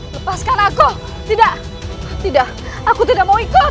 lepaskan aku tidak tidak aku tidak mau ikut